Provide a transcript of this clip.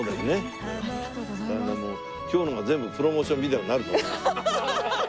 今日のが全部プロモーションビデオになると思います。